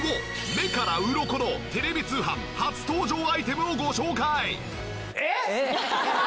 目からうろこのテレビ通販初登場アイテムをご紹介！